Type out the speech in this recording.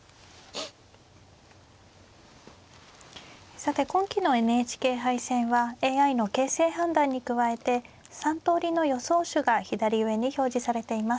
さて今期のＮＨＫ杯戦はＡＩの形勢判断に加えて３通りの予想手が左上に表示されています。